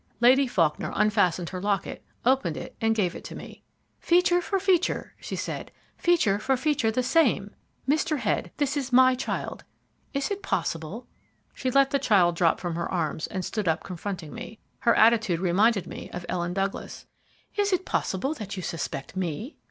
Lady Faulkner unfastened her locket, opened it and gave it to me. "Feature for feature," she said. "Feature for feature the same. Mr. Head, this is my child. Is it possible " She let the child drop from her arms and stood up confronting me. Her attitude reminded me of Ellen Douglas. "Is it possible that you suspect me?"